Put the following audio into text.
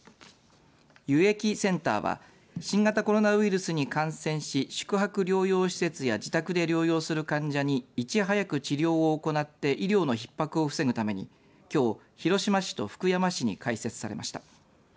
輸液センターは新型コロナウイルスに感染し宿泊療養施設や自宅で療養する患者にいち早く治療を行って医療のひっ迫を防ぐためにきょう広島市と福山市に開設されました。